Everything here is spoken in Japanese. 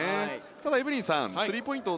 ただ、エブリンさんスリーポイント